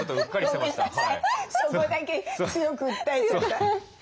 そこだけ強く訴えちゃった。